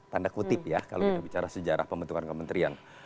tanda kutip ya kalau kita bicara sejarah pembentukan kementerian